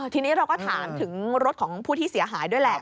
ทีนี้เราก็ถามถึงรถของผู้ที่เสียหายด้วยแหละ